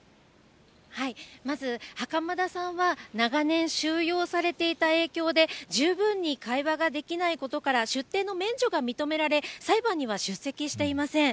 まず、袴田さんは長年、収容されていた影響で十分に会話ができないことから、出廷の免除が認められ、裁判には出席していません。